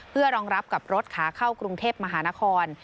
เพื่อรองรับกับรถขาเข้ากรุงเทพมหานคร